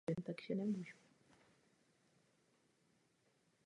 Trofeje antilopy vrané jsou ceněné mezi lovci divoké zvěře.